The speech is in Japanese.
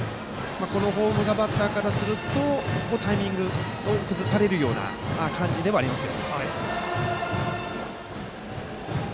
このフォームがバッターからするとタイミングを崩されるような感じではありますよ。